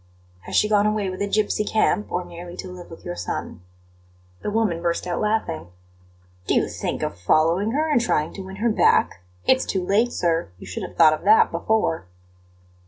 "Has she gone away with a gipsy camp, or merely to live with your son?" The woman burst out laughing. "Do you think of following her and trying to win her back? It's too late, sir; you should have thought of that before!"